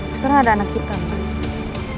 sekarang ada anak kita pak